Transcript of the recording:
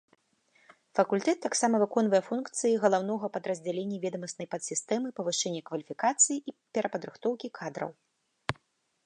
Факультэт таксама выконвае функцыі галаўнога падраздзялення ведамаснай падсістэмы павышэння кваліфікацыі і перападрыхтоўкі кадраў.